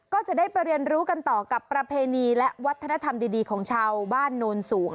ก็จะได้ไปเรียนรู้กันต่อกับประเพณีและวัฒนธรรมดีของชาวบ้านโนนสูง